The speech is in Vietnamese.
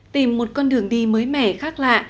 tìm một con đường đi mới mẻ khác lạ